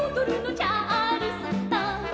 「チャールストン」